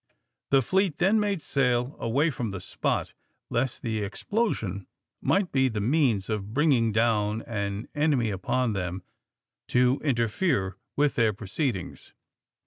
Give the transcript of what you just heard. The fleet then made sail away from the spot, lest the explosion might be the means of bringing down an enemy upon them to interfere with their proceedings.